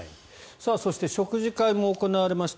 そして食事会も行われました。